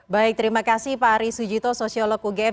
baik terima kasih pak ari sujito sosiolog ugm